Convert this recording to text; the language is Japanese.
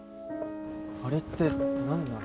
あれって何なの？